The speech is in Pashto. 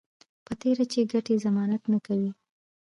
په تېره چې ګټې ضمانت نه وي